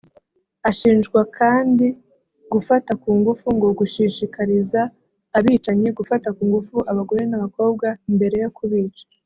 Ashinjwa kandi gufata ku ngufu ngo gushishikariza abicanyi gufata ku ngufu abagore n’abakobwa mbere yo kubica